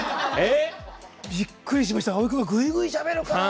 びっくりしました、青井君ぐいぐいしゃべるから。